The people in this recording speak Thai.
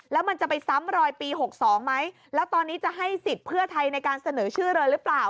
แล้วมันจะไปซ้ำรอยปี๖๒ไหมแล้วตอนนี้จะให้สิทธิ์เพื่อไทยในการเสนอชื่อเลยหรือเปล่า